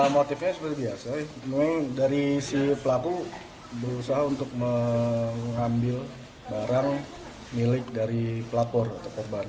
motifnya seperti biasa memang dari si pelaku berusaha untuk mengambil barang milik dari pelapor atau korban